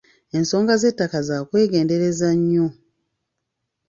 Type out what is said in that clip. Ensonga z'ettaka za kwegendereza nnyo.